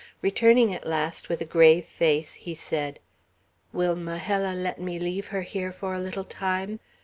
Returning at last, with a grave face, he said, "Will Majella let me leave her here for a little time?